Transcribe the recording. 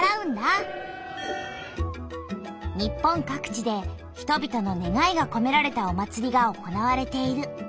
日本かく地で人々の願いがこめられたお祭りが行われている。